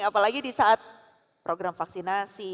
apalagi disaat program vaksinasi